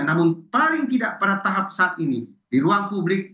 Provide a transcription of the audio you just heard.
namun paling tidak pada tahap saat ini di ruang publik